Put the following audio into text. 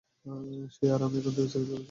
সে আর আমি এখান দিয়ে সাইকেল চালাতাম।